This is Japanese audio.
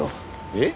えっ？